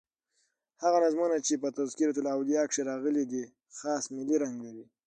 هغه نظمونه چي په "تذکرةالاولیاء" کښي راغلي دي خاص ملي رنګ لري.